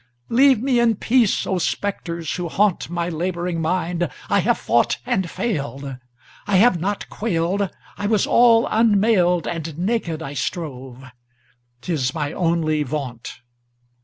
Leave me in peace, O Spectres, who hauntMy labouring mind, I have fought and failed.I have not quailed,I was all unmailedAnd naked I strove, âtis my only vaunt.